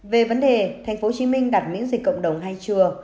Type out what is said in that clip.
về vấn đề tp hcm đặt miễn dịch cộng đồng hay chưa